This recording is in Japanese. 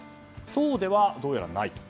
そうでは、どうやらないと。